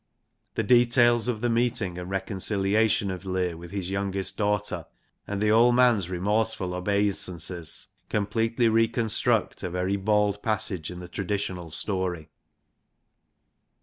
The details of the meeting and reconciliation of Leir with his youngest daughter, and the old man's remorseful obeisances completely reconstruct a very bald passage in the traditional story.